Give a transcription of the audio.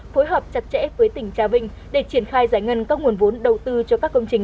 phối hợp chặt chẽ với tỉnh trà vinh để triển khai giải ngân các nguồn vốn đầu tư cho các công trình